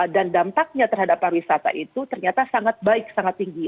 dan dampaknya terhadap pariwisata itu ternyata sangat baik sangat tinggi